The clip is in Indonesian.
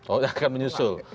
oh akan menyusul